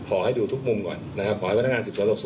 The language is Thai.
ขอให้ดูทุกมุมก่อนนะครับ